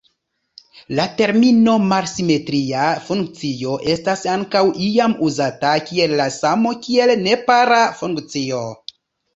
La termino "malsimetria funkcio" estas ankaŭ iam uzata kiel la samo kiel nepara funkcio.